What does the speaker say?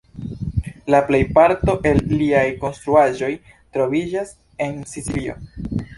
La plejparto el liaj konstruaĵoj troviĝas en Sicilio.